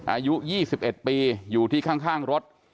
อายุ๒๑ปีอยู่ที่ข้างรถ